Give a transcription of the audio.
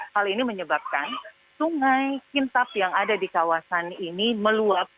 hal ini menyebabkan sungai kintap yang ada di kawasan ini meluap